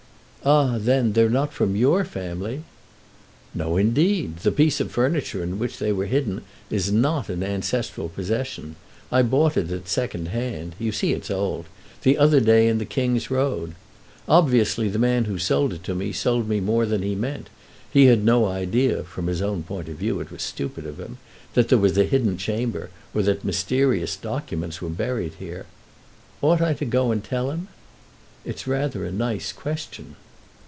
"Ah then, they're not from your family?" "No indeed, the piece of furniture in which they were hidden is not an ancestral possession. I bought it at second hand—you see it's old—the other day in the King's Road. Obviously the man who sold it to me sold me more than he meant; he had no idea (from his own point of view it was stupid of him), that there was a hidden chamber or that mysterious documents were buried there. Ought I to go and tell him? It's rather a nice question."